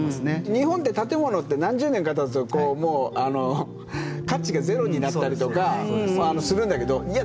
日本って建物って何十年かたつとこう価値がゼロになったりとかするんだけどいや